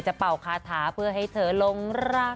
เป่าคาถาเพื่อให้เธอลงรัก